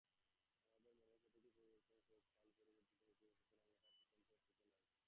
আমাদের মনের প্রতিটি পরিবর্তনের সহিত কাল পরিবর্তিত হইতেছে, সুতরাং উহার স্বতন্ত্র অস্তিত্ব নাই।